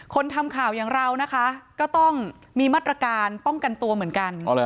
ทำข่าวอย่างเรานะคะก็ต้องมีมาตรการป้องกันตัวเหมือนกัน